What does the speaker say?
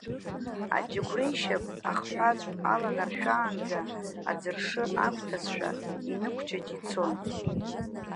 Аџьықәреишьап ахҳәаҵә аланаршәаанӡа, аӡыршы ақәҭәазшәа, инықәҷыҷ ицон.